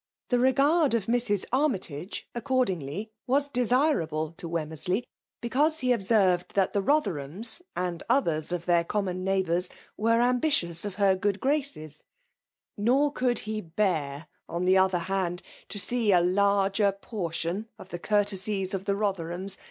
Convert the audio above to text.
The regard o{ Mrs* Ar mytage, accordingly, was d»iirable to Wem mersley, because he observed that the Bother* hams and others of their common neighbours woe ambitious of her good graces ; nor conU[ he bear, on the other hand, to see a larger porticni of the courtesies of the Botherlons 60 FEMALE DOMINATIOK.